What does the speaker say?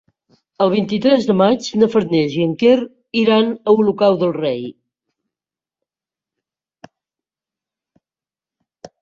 El vint-i-tres de maig na Farners i en Quer iran a Olocau del Rei.